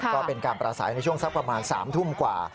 ก็เป็นการปราสาทในช่วงสักสัก๓ทุ่มกว่า